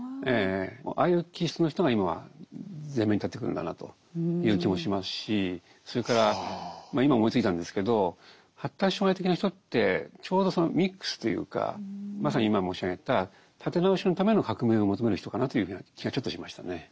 ああいう気質の人が今は前面に立ってくるんだなという気もしますしそれから今思いついたんですけど発達障害的な人ってちょうどそのミックスというかまさに今申し上げた立て直しのための革命を求める人かなという気がちょっとしましたね。